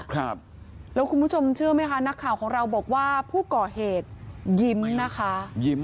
ครับแล้วคุณผู้ชมเชื่อไหมคะนักข่าวของเราบอกว่าผู้ก่อเหตุยิ้มนะคะยิ้ม